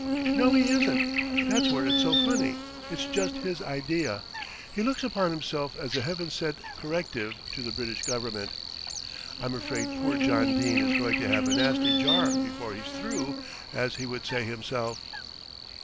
"No, he isn't, that's where it's so funny, it's just his idea. He looks upon himself as a heaven sent corrective to the British Government. I'm afraid poor John Dene is going to have a nasty jar before he's through, as he would say himself."